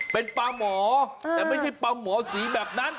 เป็นปลาหมอแต่ไม่ใช่ปลาหมอสีแบบนั้น